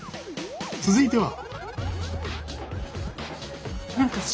続いては。